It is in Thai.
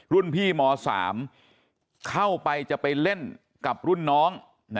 รุ่นพี่ม๓เข้าไปจะไปเล่นกับรุ่นน้อง